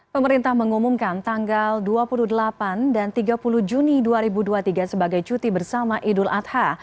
pemerintah mengumumkan tanggal dua puluh delapan dan tiga puluh juni dua ribu dua puluh tiga sebagai cuti bersama idul adha